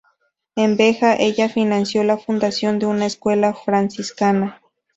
En Beja, ella financió la fundación de una escuela franciscana.